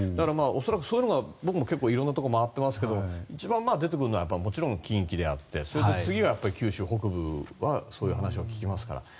そういうのが、僕も結構色んなところを回っていますが一番出てくるのはもちろん近畿であってそれで次が九州北部はそういう話を聞きますから。